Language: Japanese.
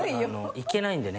行けないんでね。